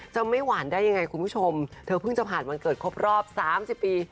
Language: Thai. จะไม่หวานได้ยังไงคุณผู้ชมเธอเพิ่งจะผ่านวันเกิดครบรอบ๓๐ปี